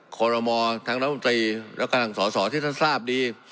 คอรมอทั้งรัฐมนตรีและกำลังสอสอที่ท่านทราบดี